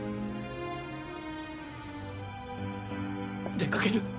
出かける！？